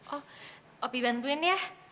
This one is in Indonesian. oh opi bantuin ya